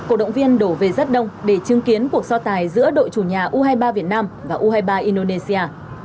ân đổ về rất đông để chứng kiến cuộc so tài giữa đội chủ nhà u hai mươi ba việt nam và u hai mươi ba indonesia